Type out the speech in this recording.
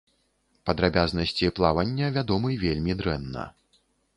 Падрабязнасці плавання вядомы вельмі дрэнна.